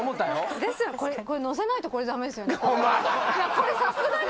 これさすがに。